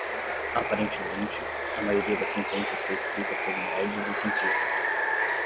Aparentemente, a maioria das sentenças foi escrita por nerds e cientistas.